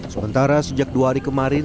sementara sejak dua hari kemarin